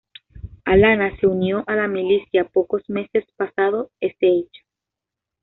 Alana se unió a la milicia pocos meses pasado este hecho.